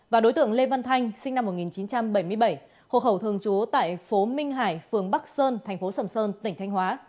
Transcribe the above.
và đối tượng lê văn thanh sinh năm một nghìn chín trăm bảy mươi bảy hộ khẩu thường trú tại phố minh hải phường bắc sơn thành phố sầm sơn tỉnh thanh hóa